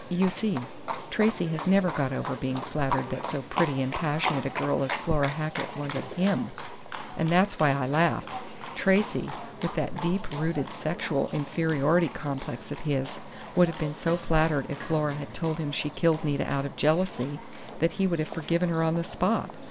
You see, Tracey has never got over being flattered that so pretty and passionate a girl as Flora Hackett wanted him!... And that's why I laughed!... Tracey, with that deep rooted sexual inferiority complex of his, would have been so flattered if Flora had told him she killed Nita out of jealousy that he would have forgiven her on the spot.